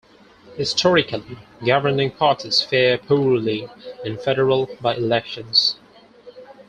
Historically, governing parties fare poorly in federal by-elections.